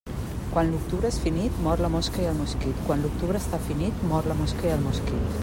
Quan l'octubre és finit, mor la mosca i el mosquit Quan l'octubre està finit, mor la mosca i el mosquit.